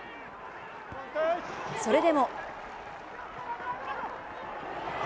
それでも。